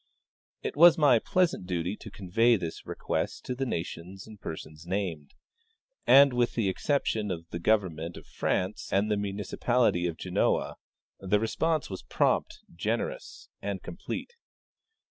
It was my pleasant duty to convey this request to the nations and persons named, and with the excep tion of the government of France and the municipality of Genoa, the response was prompt, generous, and complete.